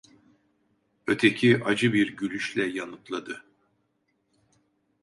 Öteki acı bir gülüşle yanıtladı: